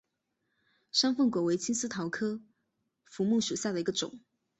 山凤果为金丝桃科福木属下的一个种。